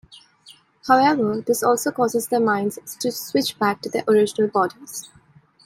However, this also causes their minds to switch back to their original bodies.